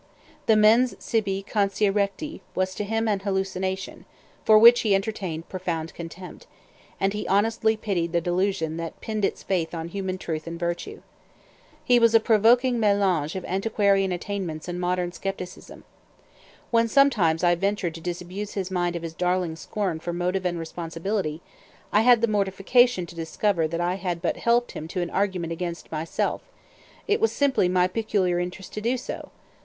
The mens sibi conscia recti was to him an hallucination, for which he entertained profound contempt; and he honestly pitied the delusion that pinned its faith on human truth and virtue. He was a provoking mélange of antiquarian attainments and modern scepticism. When, sometimes, I ventured to disabuse his mind of his darling scorn for motive and responsibility, I had the mortification to discover that I had but helped him to an argument against myself: it was simply "my peculiar interest to do so."